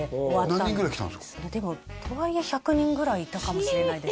それでもとはいえ１００人ぐらいいたかもしれないです